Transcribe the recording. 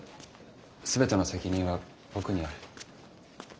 全ての責任は僕にある。